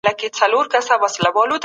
ما پرون په انټرنیټ کي یو ویډیو ولیده.